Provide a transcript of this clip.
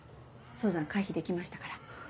早産回避できましたから。